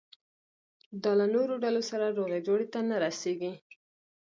دا له نورو ډلو سره روغې جوړې ته نه رسېږي.